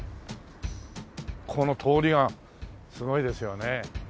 この通りがすごいですよね。